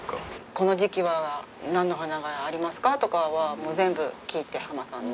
この時期はなんの花がありますか？とかはもう全部聞いて濱さんに。